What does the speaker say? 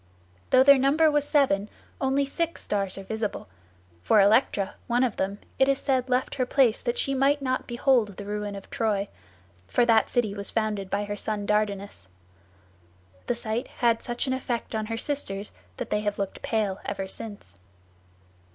Though their number was seven, only six stars are visible, for Electra, one of them, it is said left her place that she might not behold the ruin of Troy, for that city was founded by her son Dardanus. The sight had such an effect on her sisters that they have looked pale ever since.